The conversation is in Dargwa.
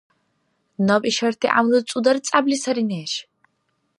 Наб ишарти гӀямру цӀудар-цӀябли сари, неш!